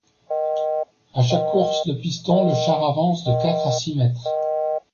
À chaque course du piston, le char avance de quatre à six mètres.